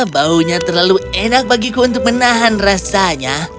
baunya terlalu enak bagiku untuk menahan rasanya